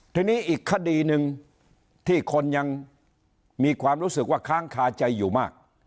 ทีนี้อีกคดีหนึ่งที่คนยังมีความรู้สึกว่าค้างคาใจอยู่มาก